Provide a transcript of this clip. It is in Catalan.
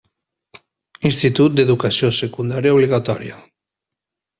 Institut d'Educació Secundària Obligatòria.